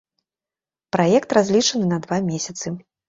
Праект разлічаны на два месяцы.